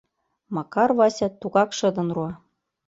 — Макар Вася тугак шыдын руа.